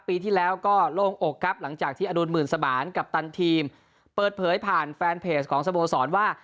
ปีที่แล้วก็โล่งอกครับหลังจากที่อดุลหมื่นสมานกัปตันทีมเปิดเผยผ่านแฟนเพจของสโมสรว่า